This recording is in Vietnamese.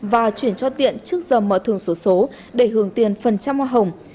và chuyển cho tiện trước giờ mở thường số số để hưởng tiền phần trăm hoa hồng